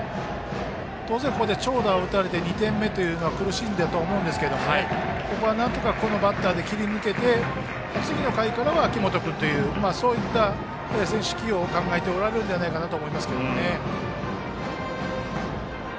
当然、ここで長打を打たれて２点目というのは苦しいと思いますけれどもここはなんとかこのバッターで切り抜けて次の回からは秋本くんというそういった選手起用を考えておられるのではないかと。